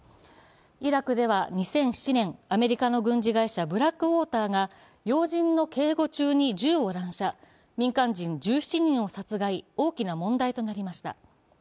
イラクでは２００７年アメリカの軍事会社、ブラックウォーターが要人の警護中に銃を乱射、民間人１７人を殺害、大きな問題となりました。